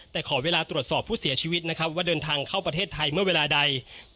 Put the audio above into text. แต่ขอเวลาตรวจสอบผู้เสียชีวิตนะครับว่าเดินทางเข้าประเทศไทยเมื่อเวลาใด